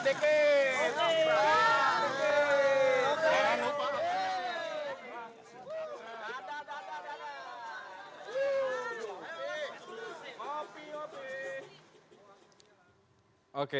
pak ini sentri mari pak